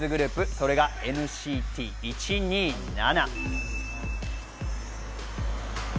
それがＮＣＴ１２７。